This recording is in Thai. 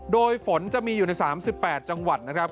โดยฝนจะมีอยู่ใน๓๘จังหวัดนะครับ